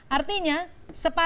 artinya satu juta